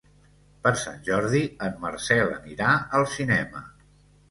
Per Sant Jordi en Marcel anirà al cinema.